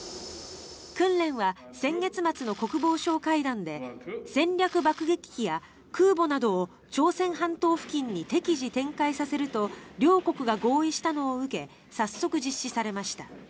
訓練は先月末の国防相会談で戦略爆撃機や空母などを朝鮮半島付近に適時展開させると両国が合意したのを受け早速、実施されました。